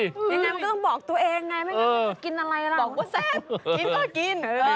ยังไงมันก็ต้องบอกตัวเองไงไม่งั้นมันจะกินอะไรหรือ